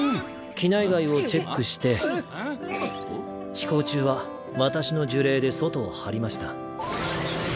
機内外をチェックして飛行中は私の呪霊で外を張りました。